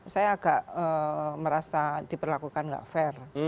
saya agak merasa diperlakukan nggak fair